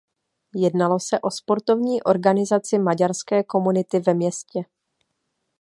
Jednalo se o sportovní organizaci maďarské komunity ve městě.